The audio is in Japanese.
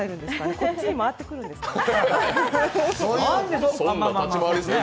こっちに回ってくるんですかね。